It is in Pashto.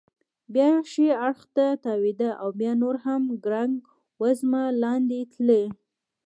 بیا ښي اړخ ته تاوېده او بیا نور هم ګړنګ وزمه لاندې تلی.